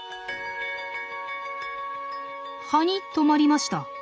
葉に止まりました。